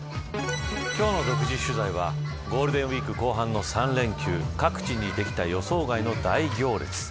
今日の独自取材はゴールデンウイーク後半の３連休各地にできた予想外の大行列。